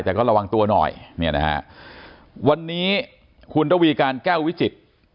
แต่ก็ระวังตัวหน่อยวันนี้คุณตวีการแก้ววิจิต